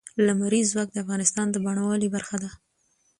لمریز ځواک د افغانستان د بڼوالۍ برخه ده.